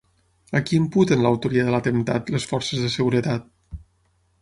A qui imputen l'autoria de l'atemptat les forces de seguretat?